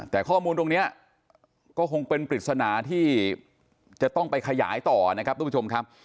แต่ข้อมูลตรงนี้ก็คงเป็นปริศนาที่จะต้องไปขยายต่อนะครับทุกผู้ชมครับ